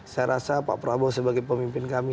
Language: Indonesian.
saya rasa pak prabowo sebagai pemimpin kami